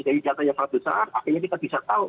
jadi datanya satu saat akhirnya kita bisa tahu